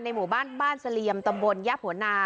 ในหมู่บ้านบ้านเสลียมตำบลยภวนา